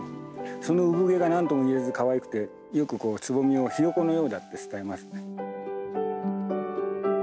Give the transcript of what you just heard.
その産毛が何とも言えずかわいくてよくつぼみをヒヨコのようだって伝えますね。